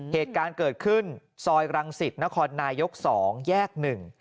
เหตุการณ์เกิดขึ้นซอยรังสิตนครนายกสองแยกหนึ่ง